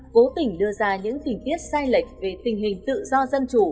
cố tình đưa ra những tình tiết sai lệch về tình hình tự do dân chủ